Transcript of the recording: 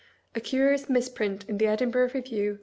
] CUEIOUS MISPEINT IN THE EDINBUEGH EEVIEW.